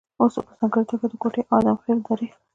او په ځانګړې توګه د کوټې او ادم خېلو درې